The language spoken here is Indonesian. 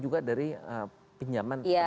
juga dari pinjaman iya